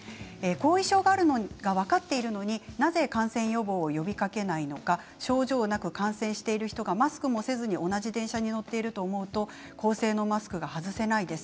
後遺症があるのが分かっているのになぜ感染予防を呼びかけないのか症状なく感染している人がマスクをせずに同じ電車に乗っていると思うとマスクが外せないです。